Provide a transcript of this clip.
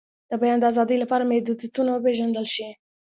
د بیان د آزادۍ لپاره محدودیتونه وپیژندل شي.